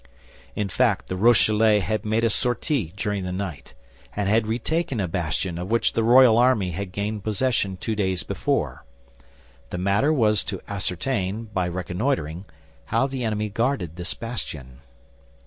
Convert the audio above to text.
In fact the Rochellais had made a sortie during the night, and had retaken a bastion of which the royal army had gained possession two days before. The matter was to ascertain, by reconnoitering, how the enemy guarded this bastion.